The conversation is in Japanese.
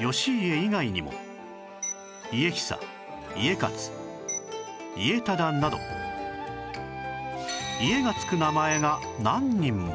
義家以外にも家久家勝家忠など「家」がつく名前が何人も！